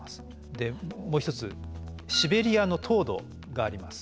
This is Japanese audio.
でもう一つシベリアの凍土があります。